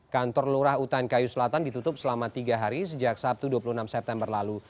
kantor lurah utan kayu selatan ditutup selama tiga hari sejak sabtu dua puluh enam september lalu